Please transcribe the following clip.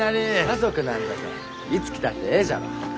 家族なんじゃけんいつ来たってええじゃろ。